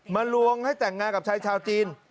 ลวงให้แต่งงานกับชายชาวจีน